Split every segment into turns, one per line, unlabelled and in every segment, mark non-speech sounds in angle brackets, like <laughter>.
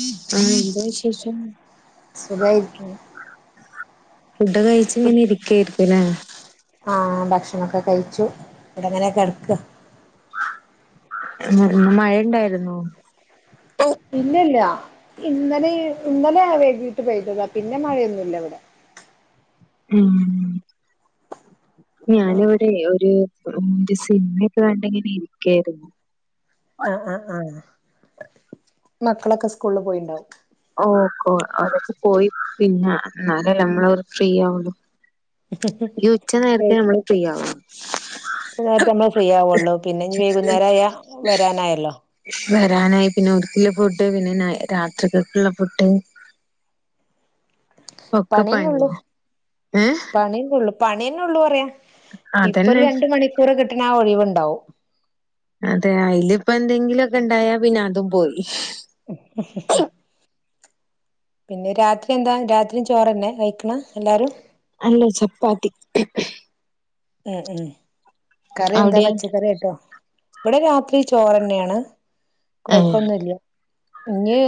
എന്ത വിശേഷം'
സുഖായിരിക്കുന്നു.
ഫുഡ് കഴിച് ഇങ്ങനെ ഇരിക്കായിരികുലേ
ആഹ് ഭക്ഷണംക്കെ കഴിച്ചു ഇവിടെങ്ങനെക്കട്ക്ക
മഴ ണ്ടായിരുന്നു
ഇല്ലല്ല. ഇന്നലെ ഇന്നലെയാ വൈകിട്ട് പെയ്തതാ. പിന്നെ മഴയൊന്നുല്ല ഇവടെ
ഉം ഞാനിവിടെ ഒരു ഒരു സിനിമയൊക്കെ കണ്ടിങ്ങനെ ഇരിക്കായിരുന്നു
ആഹ് ആഹ് ആഹ് മക്കളൊക്കെ സ്കൂളി പോയിണ്ടാവും
ഓക്കൊ അവരക്കെ പോയി പിന്നെ എന്നാലേ നമ്മള അവര് ഫ്രീ ആവുള്ളു ഈ ഉച്ച നേരത്തെ നമ്മള് ഫ്രീ ആവാ
നേരത്തെ നമ്മൾ ഫ്രീ ആവുള്ളൂ പിന്നെ വൈകുന്നേരം ആയാ വരാനായല്ലോ
വരാനായി. പിന്നെ ഓൽക്ള്ള ഫുഡ് പിന്നെ നൈ രാത്രികൾക്ള്ള ഫുഡ്. ഒക്കെ
പണിയന്നെ
പണി
ഉള്ളു
ഏഹ്
പണിയന്നള്ളു പണിയന്നെ ഉള്ളൂ പറയാ. ഇപ്പൊ ഒരു
അതന്നെ
രണ്ട് മണിക്കൂർ കിട്ടണ ആ ഒഴിവുണ്ടാവും
അതെ അതിലിപ്പ എന്തെങ്കിലൊക്കെ ഇണ്ടായാ പിന്നെ അതും പോയി
പിന്നെ രാത്രി എന്താ രാത്രിയും ചോറന്നെ കഴിക്ണെ എല്ലാരും
അല്ല ചപ്പാത്തി.
ഉം ഉം കറി എന്താ
അവിടെയാ
പച്ചക്കറ്യാട്ടാ. ഇവിടെ രാത്രി ചോറന്നെയാണ്
ഏഹ്
കൊഴപ്പൊന്നുല്ല ഇഞ്ഞ്.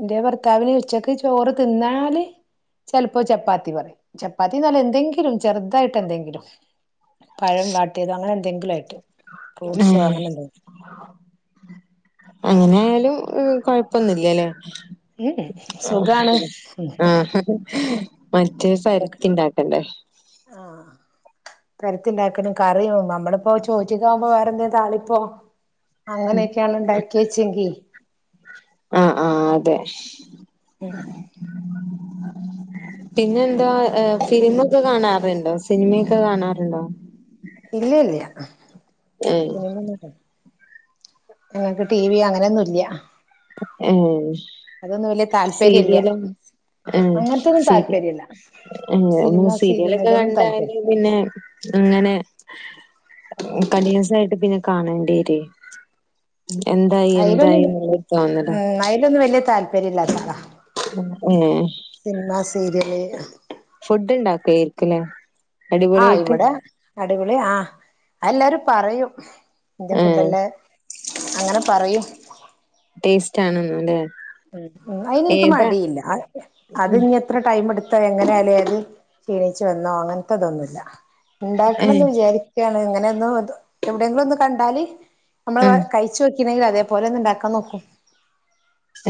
എന്റെ ഭർത്താവിന് ഉച്ചക്ക് ചോറ് തിന്നാല് ചെലപ്പോ ചപ്പാത്തി പറയും. ചപ്പാത്തിന്നർഞ എന്തെങ്കിലും ചെറുതായിട്ട് എന്തെങ്കിലും പഴം വാട്ടിയതോ അങ്ങനെ എന്തെങ്കിലും ആയ്ട്ട് ഫ്രൂട്ട്സോ അങ്ങനെ എന്തെങ്കും
എങ്ങനെ ആയാലും കൊഴപ്പന്നുല്ലല്ലേ
ഉം ഉം സുഖാണ്
ആഹ് മറ്റേ സരത്തിണ്ടാക്കണ്ടേ
പെരത്തിണ്ടാക്കനും കറിയും നമ്മളിപ്പോ ചോറ്റിക്കാഉമ്പോ വേറെന്തേ താളിപ്പോ അങ്ങനൊക്കെയാണ് ഉണ്ടാക്കിയേച്ചെങ്കി
ആഹ് ആഹ് അതെ പിന്നെന്താ ഫിലിമൊക്കെ കാണാറുണ്ടോ സിനിമയൊക്കെ കാണാറുണ്ടോ.
ഇല്ല ഇല്ല്യ
ഏഹ്
അങ്ങനെയൊന്നും ഞങ്ങക്ക് ടി വി അങ്ങനെന്നും ഇല്യ
ഏഹ്
അതൊന്നും വലിയ താല്പര്യല്ല്യ
സീരിയലോ? ഏഹ് സീരി ഏഹ് നമ്മള്
സിനിമ സീരിയൽ
സീരിയലൊക്കെ
അതൊന്നും
കണ്ടാണെങ്കി
താല്പര്യം
പിന്നെ അങ്ങനെ കണ്ടിന്യൂസായിട്ട് പിന്നെ കാണേണ്ട്യെരൂ എന്തായി എന്തായി
അയിലൊന്നും
ഇങ്ങനെ
ഉം അയിലൊന്നും വലിയ താല്പര്യം ഇല്ലാത്താളാ
ഏഹ്
സിനിമാ സീരിയല്
ഫുഡ് ഇണ്ടാക്കേര്ക്കുലേ
ആഹ് ഇവിടെ അടിപൊളി ആഹ് അതെല്ലാരും പറയും ഇന്റെ
ഏഹ്
ഫുഡെല്ലാ അങ്ങനെ പറയും
ടേസ്റ്റ് ആണെന്നു ല്ലേ
ഉം ഉം അയിനിൻക്ക് മടിയില്ല അത് ഇനി എത്ര ടൈമ് ഇട് ത്തോ എങ്ങനെയാലും ഏത് ക്ഷീണിച്ച വന്നോ അങ്ങനത്തെതൊന്നുല്ല ഇണ്ടാക്കണംന്ന്
ഏഹ്
വിചാരി ക്കാണ് ഇങ്ങനെ ഒന്നു തു എവിടെയെങ്കിലും ഒന്ന് കണ്ടാല് നമ്മള്
ആഹ്
കഴി ച്ചോക്കിണെിൽ അതേപലെ ഒന്ന്ണ്ടാക്കാൻ നോക്കും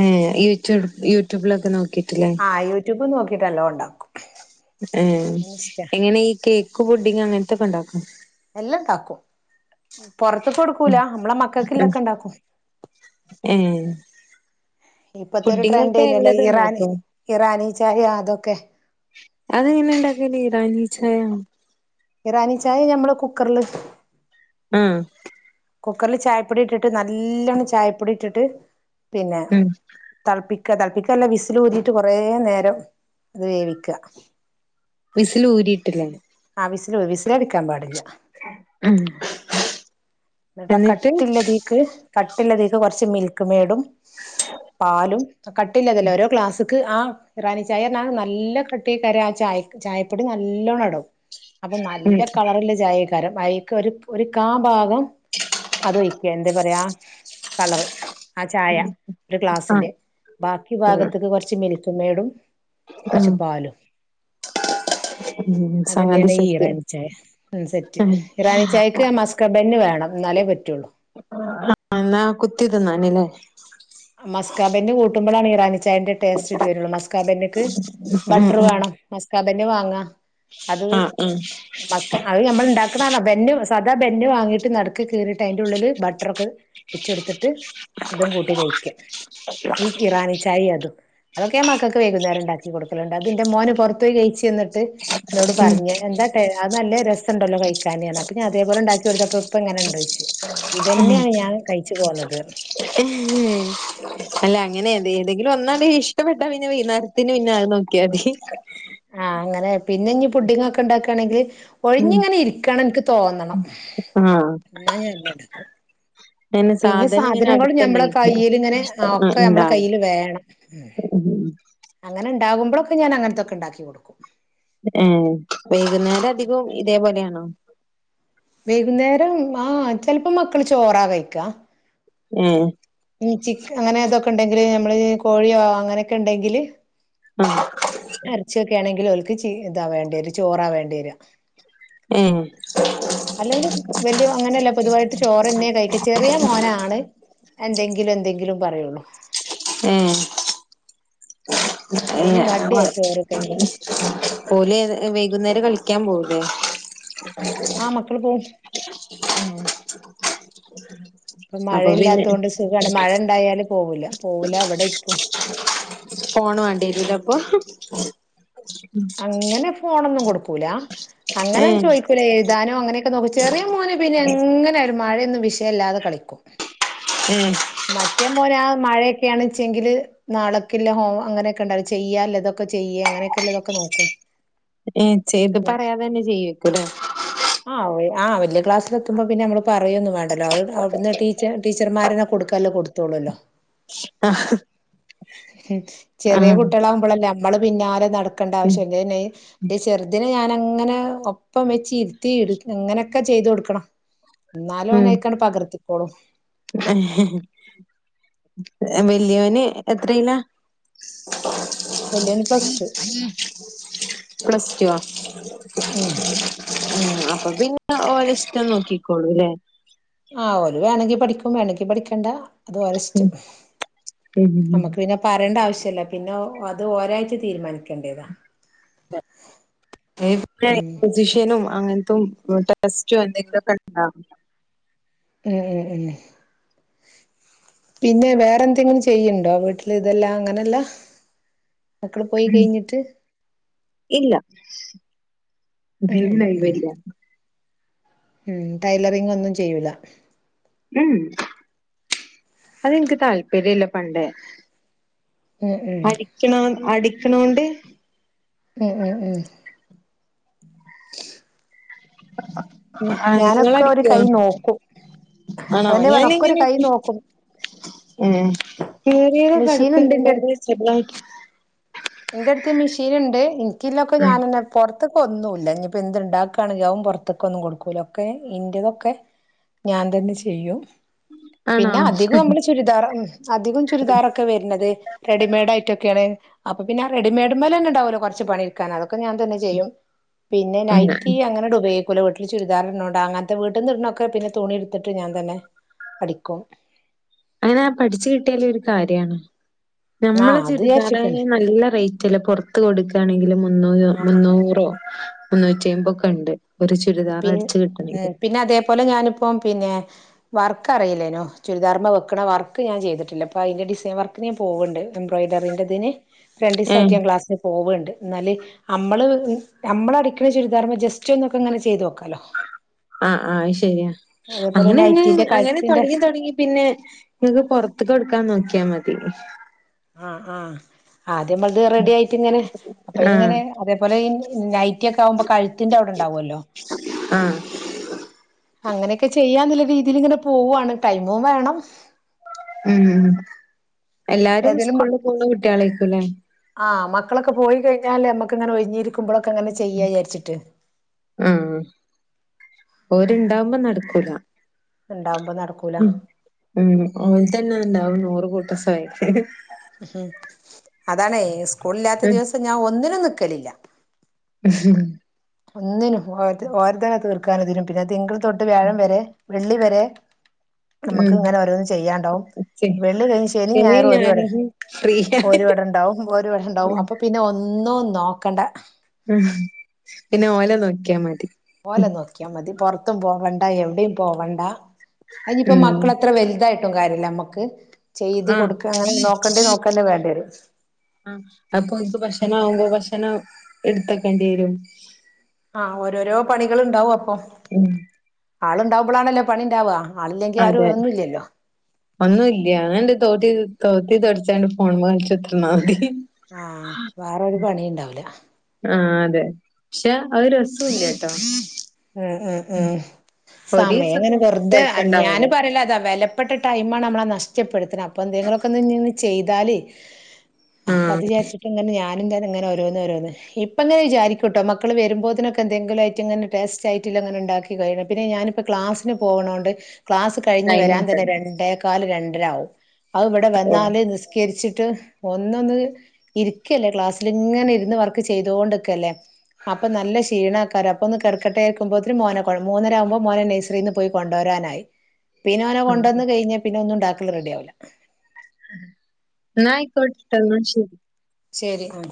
ഏഹ് യൂട്യൂബ് യൂട്യൂബിലൊക്കെ നോക്കിയിട്ട് ല്ലേ
ആഹ് യൂട്യൂബ് നോക്കിട്ട് അല്ലോണ്ടാക്കും
ഏഹ് എങ്ങനെ ഈ കേക്ക് പുഡിങ് അങ്ങനത്തൊക്കെ ഇണ്ടാക്കോ
എല്ലം ഇണ്ടാക്കും പൊറത്ത്ക്കൊടുക്കൂല നമ്മളെ മക്കൾക്ക് ല്ലൊക്കെ ഇണ്ടാക്കും
ഏഹ്
ഇപ്പത്തെ ഒരു
പുഡിങ്ങൊക്കെ
ട്രെൻഡേനിയല്ലോ
എല്ലതും
ഇറാനി
ഉണ്ടാക്കോ
ഇറാനി ചായ അതൊക്കെ
അതെങ്ങനെ ഇണ്ടാക്കൽ ഇറാനീ ചായ
ഇറാനി ചായ നമ്മളെ കുക്കർല്
ആഹ്
കുക്കർല് ചായപ്പൊടി ഇട്ടിട്ട് നല്ലോണം ചായപ്പൊടി ഇട്ടിട്ട് പിന്നെ
ഉം
തൾപ്പിക്ക തൾപ്പിക്കല്ല വിസിൽ ഊതിട്ട് കേറേനേരം വേവിക്ക
വിസില് ഊരിട്ട്ല്ലേ
ആഹ് വീസില് ഊ വിസില് അടിക്കാൻ പാടില്ല
ഉം
ഇന്ന്ട്ടാ
എന്നിട്ട്
കട്ടില്ല ദീ ക്ക് കട്ടിള്ളതീക്ക് കൊറച്ച് മിൽക്ക് മേടും പാലും കട്ടില്ലതല്ല ഓരോ ക്ലാസ് ക്ക് ആ ഇറാനി ചായ പറഞ്ഞാ നല്ല കട്ട്യേകാരം ആ ചായക് ചായപ്പൊടി നല്ലോണടും അപ്പൊ
ഉം
നല്ല കളറ്ള്ള ചായെയ്ക്കാരം അയിക്ക് ഒരു ഒര് കാ ഭാഗം അതൊയ്ക്ക എന്താ പറയാ കളർ ആ ചായ ഒരു
ആഹ്
ഗ്ലാസിന്റെ ബാക്കി
ഉം
ഭാഗത്ത്ക്ക് കൊറച്ച് മിൽ ക്ക്‌ മേടും
ഉം
കുറച്ച് പാലും
ഉം സംഗതി
അതെന്നെയാണ് ഈ
സെറ്റ്
ഇറാനി ചായ ഉം സെറ്റ് ഇറാനി ചായക്ക് ആ മസ് ക്കാ ബെന്ന് വേണം ഇന്നാലെ പറ്റൊള്ളൂ
ആഹ് ന്നാ കുത്തിതിന്നാന്ല്ലേ
ആ മസ്കാബെന്ന് കൂട്ടുമ്പളാണ് ഇറാനി ചായന്റെ ടേസ്റ്റ് ഇട്ട് വരൊള്ളൂ മസ്കാബെന്നിക്ക്
ഉം
ബട്ടർ
ഉം
വേണം മസ്കാബെന്ന് വാങ്ങാ അത്
ആഹ് ആഹ്
മസ് അത് നമ്മൾ ഉണ്ടാക്കണണോ ബെെന്ന സാ ബെെന്നു വാങ്ങീട്ട് നടക്കക്ക് കീറിയിട്ട് അതിന്റെ ഉള്ളില് ബട്ടറൊക്കെ വച്ച കൊടുത്തിട്ട് ഇതും കൂട്ടി കയ്ക്ക ഈ ഇപ് റാനി ചായ അതും മക്കൾക്ക് വൈകുന്നേരംണ്ടി കൊടുലുണ്ട് അത്തിന്റെ മോന് പുറത്ത പോയി കഴിച്ചുട്ട് ട്ട് എന്നോട്
ഉം
പറഞ്ഞ എന്താ ആഹ് അത് നല്ല രസ ഉണ്ടല്ലോ കഴിക്കാനിയാണ് അപ്പ ഞാന് അതേപലെ ഉണ്ടാക്കിടുത്തപ്പ ഇപ്പ എങ്ങനെണ്ടചോയ്ച്ച്
ഉം
ഇതന്നെയാണ് ഞാൻ കഴിച്ചു പോന്നത്
അല്ല അങ്ങനെ അതെ ഏതെങ്കിലും ഒന്ന് ഇഷ്ടപ്പെട്ടാ പിന്നെ വെയ്ന്നേരത്തുന് ന് പിന്നെ നോക്കിയാതി
ആഹ് അങ്ങനെ പിന്നെ ഇനി പുഡിങ്ങൊക്കെ ഉണ്ടാക്കുകയാണെങ്കിൽ.
ഉം
ഒഴിഞ്ഞിങ്ങനെ ഇരിക്കണം എനിക്ക് തോന്നണം എന്നാ ഞാൻ എല്ലാമിണ്ടാക്ക്കും
അയന്നെ സാധനം ഇങ്ങനെ
ഞമ്മളെ
അടുത്തണ്ടഷ
കയ്യിൽ ഇങ്ങനെ ഒക്കെ നമ്മളെ
ഇണ്ടാവും
കയ്യിൽ വേണം
ഉം
അങ്ങനെ ഉണ്ടകുമ്പോഴൊക്കെ ഞാൻങ്ങനൊക്കെ ഉണ്ടാക്കി കൊടുക്കും
ഏഹ് വൈകുന്നേരം അധികം ഇതേപോലെയാണോ
വൈകുന്നേരം ആഹ് ചെിലപ്പോ മക്കള് ചോറ കഴിക്കാ
ഉം
ഉം ചിക്കാൻ അങ്ങനെ അതൊക്കെ ഉണ്ടെങ്കില് നമ്മള് കോഴിയാ അങ്ങനെയൊക്കെ ഉണ്ടെങ്കില്
ആഹ്
അരച്ചൊക്കെ ആണെങ്കിൽ അവൾക്ക് ചി ഇതാ വേണ്ടി വരും ചോറാ വേണ്ടി വരുക.
ഉം
അല്ലെങ്കിൽ വലിയ അങ്ങനെയല്ല പൊതുവായിട്ട് ചോറ്ന്നെ കഴിക്ക ചെറിയ മോനാണ് എന്തെങ്കിലും എന്തെങ്കിലും പറയുള്ളൂ
ഏഹ്
ഓന് മടിയ ചോറ് കഞ്ഞി.
പോലെഏ വൈകുന്നേരം കളിക്കാ പോകുലെ
ആഹ് മക്കള് പോവും
ഉം
ഇപ്പൊ മഴയില്ലാത്ത കൊണ്ട് സുഖമാണ് മഴ ഇണ്ടായാല പോകുല പോവില്ല അവിടെ ഇരിക്കും
ഫോൺ വേണ്ടിവരും ലീപ്പോ
അങ്ങനെ ഫോണൊന്നും കൊടുക്കൂല അങ്ങനെയാണ്
ഏഹ്
ചോദിക്കൂലേ എഴുാനോ അനൊക്കെ നോക്കക്ക് ചെറിയ മോന് പിന്നെ അങ്ങനെ ആയിലും മയയൊന്നും വിഷയമല്ലാതെ കളിക്കും
ഉം
മറ്റേ മോനെ ആ മഴയൊക്കെയാണ്ച്ചെങ്കില് നാളക്കല്ല ഹോം അങ്ങനെയൊക്കെ ഉണ്ടായി ചെയ്യ അല്ലതൊക്കെ ചെയ്യ അങ്ങനെയൊക്കെതൊക്കെ നോക്കും
ഏഹ് ചെയ്ത് പറയാതെ തന്നെ ചെയ്യവക്കൂലേ
ആഹ് വല്യ ക്ലാസിലെത്തുമ്പോൾ പിന്നെ നമ്മള് പറയൊന്നും വേണ്ടല്ലോ അവിടുന്ന് ടീ ടീച്ചർമാരത് കൊടുക്കല്ലോ കൊടുത്തു ത്തളൂല്ലോ
ആഹ്
ചെറിയ
ആഹ്
കുട്ടികളാകുമ്പോഴല്ല നമ്മള് പിന്നാലെ നട കണ്ട
ഉം
ആവശ്യമല്ല ചെറുദിനെ ഞാന അങ്ങനെ ഒപ്പം വെച്ച് ഇരുത്തി അങ്ങനെയൊക്കെ ചെയ്ത് കൊടുക്കണം എന്നാലും ഓൻ അതിക് പകർത്തിക്കോളും
ആഹ്ഹ വലിയോന് എത്രയില്ല
വലിയവൻ പ്ലസ് ടു
പ്ലസ് ടു വാ
ഉം
ഉം അപ്പൊ പിന്നെ ഓലേ ഇഷ്ടം നോക്കിക്കോളൂല്ലേ
ആഹ് ഓല് വേണമെങ്കിൽ പഠിക്കും വേണെങ്കിൽ പഠിക്കണ്ട അത് ഒരേ
ഉം
ഇഷ്ട്ടം നമ്മക്ക്
ഉം
പിന്നെ പറയേണ്ട ആവശ്യല്ല പിന്നെ അത് ഒരായിട്ട് തീരുമാനിക്കേണ്ടതാ ഉം
ഫിസിഷ്യനും അങ്ങനത്തും ബ്ലഡ്ഡ് ടെസ്റ്റും അങ്ങനത്തെ ഒക്കെ എന്തെങ്കിലുമൊക്കെണ്ടാവും
ഉം ഉം ഉം പിന്നെ വേറെ എന്തെങ്കിലും ചെയ്യണ്ടോ വീട്ടിൽ ഇതെല്ലാം അങ്ങനെല്ല മക്കൾ പോയി
ഉം
കഴിഞ്ഞിട്ട്
ഇല്ല
ഉം ഉം ഉം
<unintelligible>
ഉം ടൈലറിങ് ഒന്നും ചെയ്യൂല
ഉം അതെനിക്ക് താല്പര്യ ഇല്ല പണ്ടേ
ഉം ഉം
അടിക്ണോ അടിക്ണോണ്ട്
ഉം ഉം ഉം
<inaudible> ആഹ് നിങ്ങൾ
ഞാനൊക്കെ ഒരു
അടിക്കോ
കൈ നോക്കും
ആണോ
അതന്നെ പറഞ്ഞ ഒക്കെ ഒരു
ഞാനങ്ങനെ
കൈ നോക്കും
ഏ പിടിയകൾ ഒക്കെ
മെഷീൻ
അടുത്ത്
ഉണ്ട് എന്റെ അടുത്ത്
ഉണ്ടെങ്കിൽ ചെറുതായിട്ട്
എന്റെ അടുത്ത് മെഷീൻ ഉണ്ട് എനിക്ക്‌ ലൊക്കെ ഞാനന്നെ അടി പുറത്തൊക്കെ ഒന്നുല്ല ഇനി ഇപ്പൊ എന്തു ഉണ്ടാക്കുകയാണെങ്കിലും പുറത്തൊക്കെ ഒന്നും കൊടുക്കൂല ഒക്കെ ഇന്റതൊക്കെ ഞാൻ തന്നെ ചെയ്യും
ആണോ
പിന്നെ അധികം നമ്മള് ചുരിദാർ അധികം ചുരിദാറൊക്കെ വരുന്നത് റെഡിമെയ്ഡ ആയിട്ടൊക്കെയാണ് അപ്പൊ പിന്ന ആ റെഡിമെയഡ് മലെന്നേ ഉണ്ടാവുല്ലോകുറചു പണിയെടുക്കാൻ അതൊക്കെ ഞാൻ തന്നെ ചെയ്യും. പിന്നെ നൈറ്റി അങ്ങനെട് ഉപയോഗിക്ക അത് പൊലെ വീട്ടിൽ ചുരിദാർ ഇടുന്നോണ്ട് അങ്ങനത്തെ വീട്ടിന്ന് ഇടുന്നൊക്കെ പിന്നെ തുണി എടുത്തിട്ട് ഞാൻ തന്നെ അടിക്കും.
അങ്ങനെ ആ പഠിച്ചു കിട്ടിയൽ ഒരു കാര്യമാണ് ഞമ്മള
ആഹ് അത്
ചുരിദാറ ന്നേ
വിചാരിച്ചിട്ടന്നെ
നല്ല റേറ്റ്ല്ലേ പൊറത്ത് കൊടുക്കയാണെങ്കില് മുന്നൂ
ആഹ് ആഹ്
മുന്നൂറോ മുന്നൂറ്റി അയ്മ്പൊക്കെ ഉണ്ട് ഒരു ചുരിദാർ
പിൻ
അടിച്ചു
ഉം
കിട്ടണങ്കിൽ
പിന്നെ അതേപോലെ ഞാനിപ്പോ പിന്നെ വർക്ക് അറിയില്ലേനോ ചുരിദാർമ്മ വെക്കണ വർക്ക് ഞാൻ ചെയ്തിട്ടില്ലപ്പൊ അതിന്റെ ഡിസൈൻ വർക്ക് ഞാൻ പോവ്ണ്ട് എംബ്രോയിഡറി ന്റെതിന്
ഏഹ്
രണ്ടിസാക്കി ഞാൻ ക്ലാസ്സി പോവുണ്ട് എന്നാല് നമ്മള് നമ്മള അടിക്കണ ചുരിദാർമ്മ ജസ്റ്റ് ഒന്നൊക്കെങ്ങനെ ചെയ്തു നോക്കാലോ
ആഹ് ആ ശരിയാ
അതേപോലെ
അങ്ങനെ
നൈറ്റിന്റെ
അങ്ങനെ
കഴുത്തിന്റെ
തുടങ്ങി തുടങ്ങി പിന്നെ നിങ്ങക്ക് പൊറത്തക്ക് കൊടുക്കാൻ നോക്കിയാ മതി
ആഹ് ആഹ് ആദ്യ നമ്മൾത് റെഡി ആയിട്ട് ഇങ്ങനെ അപ്പൊ
ആഹ്
ഇങ്ങനെ അതേപോലെ നൈറ്റി ഒക്ക ആകുമ്പൊ കഴുത്തിന്റെ അവിടെണ്ടാവുമല്ലോ
ആഹ്
അങ്ങനെയൊക്കെ ചെയ്യാന്നല്ല രീതിൽ ഇങ്ങനെ പോവാണ് ടൈമും വേണം
ഉം എല്ലാരും
ഏതേലും
സ്കൂളിൽ പോകുന്ന കുട്ടികളേക്കുംല്ലേ
ആഹ് മക്കളൊക്കെ പോയികഴിഞ്ഞാല് നമ്മക്ക്ങ്ങനെ ഒഴിഞ്ഞിരിക്കുമ്പോക്കെ അങ്ങനെ ചെയ്യാ വിചരിച്ചിട്ട്
ഉം ഓര് ഇണ്ടാവുമ്പോ നടക്കൂല
ഉണ്ടാവുമ്പോ നടക്കൂല
ഉം ഉം ഓൽതന്നെണ്ടാവും നൂറ് കൂട്ട <unintelligible>
ഉം അതാണ് സ്കൂളില്ലാത്ത
ഉം
ദിവസം ഞാൻ ഒന്നിനും നിക്കലില്ല
ഉം
ഒന്നിനും ഓരത് ഓരതന്നെ തീർക്കാനും തെരും പിന്നെ തിങ്കൾ തൊട്ട് വ്യാഴം വരെ വെള്ളി വരെ നമ്മക്ക്
ഉം
ഇങ്ങനെ ഓരോന്നും ചെയ്യാണ്ടാവും
ഉം ശരി.
വെള്ളി കഴിഞ്ഞ ശനി ഞായറും ഓര് ഇവ്ടെ ഓര് ഇവടെ ഇണ്ടാവും ഓര് ഇവടെണ്ടാവും
ഉം
അപ്പൊ പിന്നെ ഒന്നും നോക്കണ്ട
ഉം പിന്നെ ഓലെ നോക്കിയാ മതി
ഓലെ നോക്കിയാ മതി പൊറത്തും പോവണ്ട എവിടെയും പോവണ്ട അയിഞ്ഞിപ്പോ
ഉം
മക്കള എത്ര വലുതായിട്ടും കാര്യല്ല അമ്മക്ക് ചെയ്ത്
ആഹ്
കൊടുക്ക അങ്ങനെ നോക്കണ്ടിയെ നോക്കെന്നെ വേണ്ടിയെരും
ആ അപ്പൊ ഓൽക്ക് ഭക്ഷണ ആവുമ്പോ ഭക്ഷണം ഇടുത്തക്കണ്ടിയെരും
ആഹ് ഓരോരോ പണികൾ ഇണ്ടാവും അപ്പം
ഉം
ആളുണ്ടാവുമ്പളാണല്ലോ പണി ഇണ്ടാവ ആളില്ലെങ്കി ആരു ഒന്നുല്ലല്ലോ
ഒന്നുംല്ല അങ്ങട്ട് തോത്തി തോത്തി തൊടച്ചാണ്ട് ഫോണ് മ്മെ കളിച്ചുത്രന്നാ മതി
ആഹ് വേറൊരു പണിണ്ടാവുല
ആഹ് അതെ പക്ഷെ അത് രെസുല്ല്യ ട്ടോ
ഉം ഉം ഉം സമയം
ഒരീസൊക്കെ
ഇങ്ങനെ വെറുതെ
കൊഴപ്പണ്ടാവൂല
ഞാന് പറയലതാ വെല പ്പെട്ട ടൈമാണ് നമ്മള് ആ നഷ്ടപ്പെടുത്തണ് അപ്പ എന്തെങ്കിലൊക്കോന്ന് ഇഞ് ചെയ്താല് അപ്പ
ആഹ്
അത് വിചാരിച്ചിട്ട് ഇങ്ങനെ ഞാ നും തന്നെ ഇങ്ങനെ ഓരോന്ന് ഒരോന്ന് ഇപ്പ ഇങ്ങന വിചാരിക്കുട്ടോ മക്കള് വരുമ്പോതിനൊക്കെ എന്തെങ്കിലുവായിറ്റ് ഇങ്ങനെ പേസ്റ്റ് അയിറ്റിൽ അങ്ങനെ ഇണ്ടാക്കി കയിഞ്ഞു പിന്നെ ഞാനിപ്പോ ക്ലാസിന് പോണോണ്ട് ക്ലാസ്സ്‌ കഴിഞ്ഞു
ടൈം
വരാൻ തന്നെ
കിട്ടണം
രണ്ടേക്കാൽ രണ്ടരാകും അത് ഇവിടെ
ഓഹ്
വന്നാലെ നിസ് ക്കരിച്ചിട്ട് ഒന്നൊന്ന് ഇരിക്കല്ലേ ക്ലാസ്സിൽ ഇങ്ങനെ ഇരുന്ന് വർക്ക് ചെയ്തൊണ്ടിക്കല്ലേ അപ്പൊ നല്ല ക്ഷീണാക്കാരം അപ്പൊ ഒന്ന് കെ ടകട്ടേക്കുബോതിന് മോനെ കൊ മൂന്നര ആകുമ്പോ മോനെ നഴ്സറീന്ന് പോയി കൊണ്ടോരാനായി. പിന്ന ഓനെ
ആഹ്
കൊണ്ടോന്ന് കഴിഞ്ഞാ പിന്നെ ഒന്നും ഇണ്ടാക്കല് റെഡിയാവുല
ഇന്നാ അയിക്കോട്ടെട്ടൊ ഇന്നാ ശെരി
ശെരി ഉം